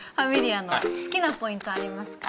家の好きなポイントありますか？